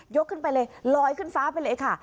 ขึ้นไปเลยลอยขึ้นฟ้าไปเลยค่ะ